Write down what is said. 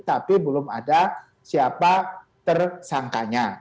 tapi belum ada siapa tersangkanya